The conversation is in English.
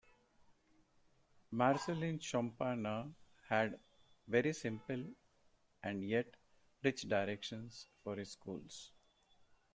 Marcellin Champagnat had very simple and yet rich directions for his schools.